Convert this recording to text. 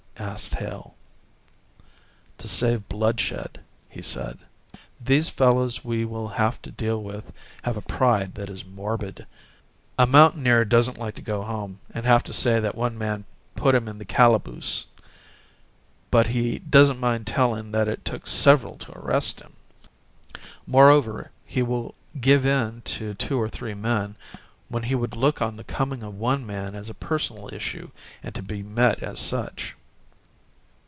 asked Hale. "To save bloodshed," he said. "These fellows we will have to deal with have a pride that is morbid. A mountaineer doesn't like to go home and have to say that one man put him in the calaboose but he doesn't mind telling that it took several to arrest him. Moreover, he will give in to two or three men, when he would look on the coming of one man as a personal issue and to be met as such."